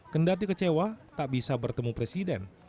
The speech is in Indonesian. kendati kecewa tak bisa bertemu presiden